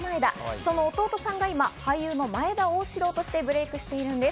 その弟さんが今、俳優の前田旺志郎としてブレイクしてるんです。